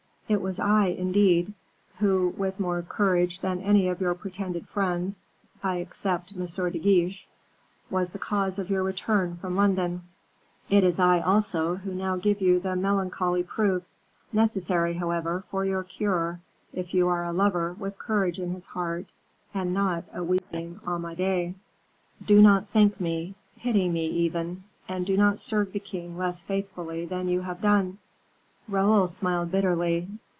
It was I, indeed, who, with more courage than any of your pretended friends, I except M. de Guiche, was the cause of your return from London; it is I, also, who now give you the melancholy proofs, necessary, however, for your cure if you are a lover with courage in his heart, and not a weeping Amadis. Do not thank me; pity me, even, and do not serve the king less faithfully than you have done." Raoul smiled bitterly.